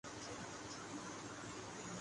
بنگلہ دیش کا معیاری وقت